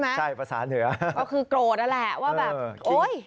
อันนี้ภาษาเหนือใช่ไหมคือโกรธนั่นแหละว่าแบบโอ๊ย